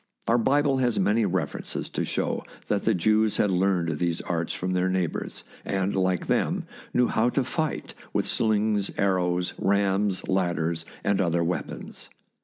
Our Bible has many references to show that the Jews had learned these arts from their neighbours, and, like them, knew how to fight with slings, ar rows, rams, ladders, and other weapons.